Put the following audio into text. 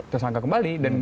tersangka kembali dan